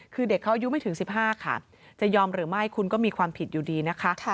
คือเด็กเขาอายุไม่ถึง๑๕ค่ะจะยอมหรือไม่คุณก็มีความผิดอยู่ดีนะคะ